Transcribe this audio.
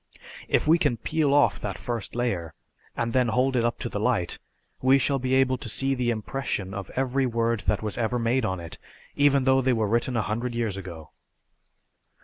"If we can peel off that first layer, and then hold it up to the light, we shall be able to see the impression of every word that was ever made on it even though they were written a hundred years ago!"